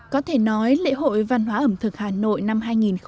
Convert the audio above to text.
có thể nói lễ hội văn hóa ẩm thực hà nội năm hai nghìn một mươi chín